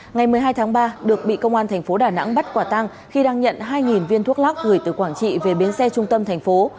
ngày một mươi hai tháng ba được bị công an thành phố đà nẵng bắt quả tăng khi đang nhận hai viên thuốc lắc gửi từ quảng trị về biến xe trung tâm thành phố